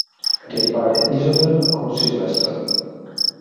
Riappare Isabelle con Sylvester.